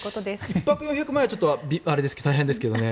１泊４００万円はちょっと大変ですけどね。